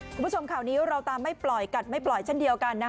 คุณผู้ชมข่าวนี้เราตามไม่ปล่อยกัดไม่ปล่อยเช่นเดียวกัน